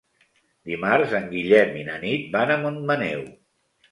Dimarts en Guillem i na Nit van a Montmaneu.